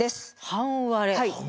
半割れ。